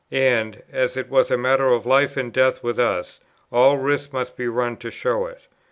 And, as it was a matter of life and death with us, all risks must be run to show it.